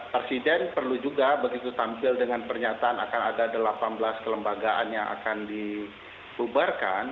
presiden perlu juga begitu tampil dengan pernyataan akan ada delapan belas kelembagaan yang akan dibubarkan